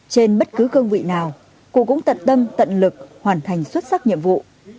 trên bất cứ cương vị nào cụ cũng tận tâm tận lực hoàn thành xuất sắc nhiệm vụ